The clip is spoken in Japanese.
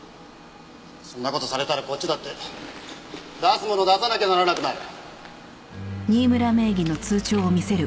そんな事されたらこっちだって出すもの出さなきゃならなくなる。